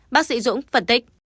bác sĩ dũng phân tích